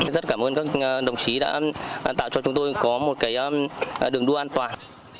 rất cảm ơn các đồng chí đã tạo cho chúng tôi có một đường đua an toàn